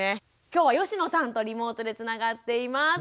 今日は吉野さんとリモートでつながっています。